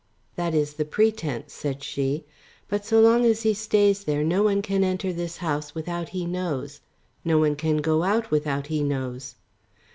"That is the pretence," said she. "But so long as he stays there no one can enter this house without he knows, no one can go out without he knows."